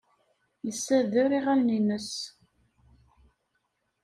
Yessader iɣallen-nnes.